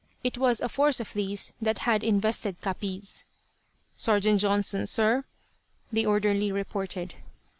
It was a force of these that had invested Capiz. "Sergeant Johnson, sir," the orderly reported.